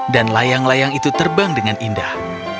dan layang layang itu terbang dengan indah